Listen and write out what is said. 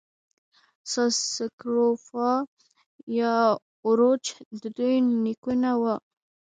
ساس سکروفا یا اوروچ د دوی نیکونه وو.